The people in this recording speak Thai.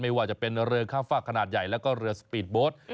ไม่ว่าจะเป็นเรือข้ามฝากขนาดใหญ่แล้วก็เรือสปีดโบสต์